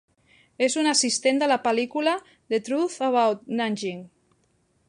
És un assistent de la pel·lícula "The Truth about Nanjing".